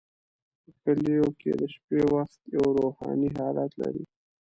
په کلیو کې د شپې وخت یو روحاني حالت لري.